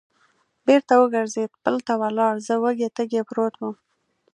بېرته و ګرځېد، پل ته ولاړ، زه وږی تږی پروت ووم.